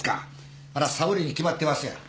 サボりに決まってますやん。